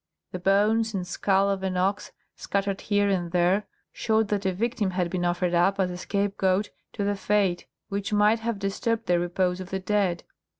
The bones and skull of an ox scattered here and there showed that a victim had been offered up as a scapegoat to the Fate which might have disturbed the repose of the dead.